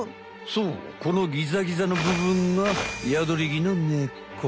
そうこのギザギザのぶぶんがヤドリギの根っこ。